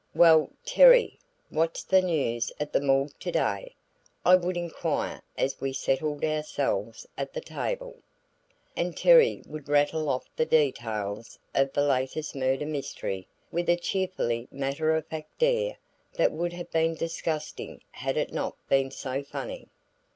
"Well, Terry, what's the news at the morgue today?" I would inquire as we settled ourselves at the table. And Terry would rattle off the details of the latest murder mystery with a cheerfully matter of fact air that would have been disgusting had it not been so funny.